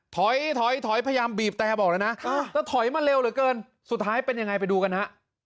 ถอยถอยพยายามบีบแต่บอกแล้วนะแต่ถอยมาเร็วเหลือเกินสุดท้ายเป็นยังไงไปดูกันฮะ